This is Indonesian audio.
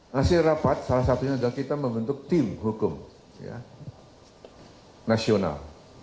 hasil rapat salah satunya adalah kita membentuk tim hukum nasional